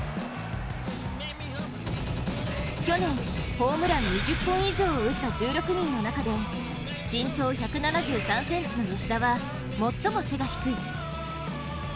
去年、ホームラン２０本以上を打った１６人の中で身長１７３ｃｍの吉田は最も背が低い。